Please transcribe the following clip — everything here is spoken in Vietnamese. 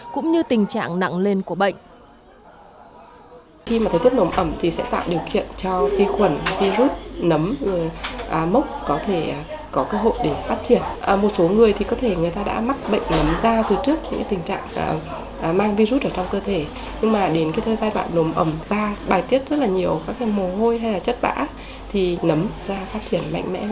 cũng như tình trạng nặng lên